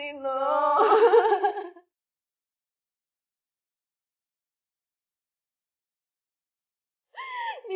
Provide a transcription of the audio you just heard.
tidak tidak tidak